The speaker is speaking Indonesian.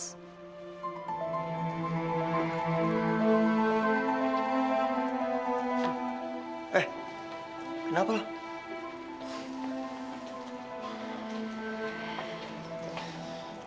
eh kenapa lu